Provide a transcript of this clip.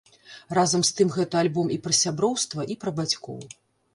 Разам з тым гэта альбом і пра сяброўства, і пра бацькоў.